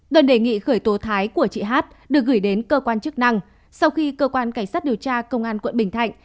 đơn đề nghị khởi tố thái của chị hát được gửi đến cơ quan chức năng sau khi cơ quan cảnh sát điều tra công an quận bình thạnh